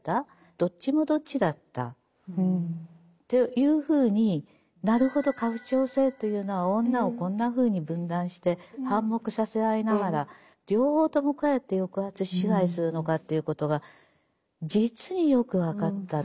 どっちもどっちだったというふうになるほど家父長制というのは女をこんなふうに分断して反目させ合いながら両方ともこうやって抑圧支配するのかということが実によく分かったと。